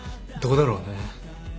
どうだろうね。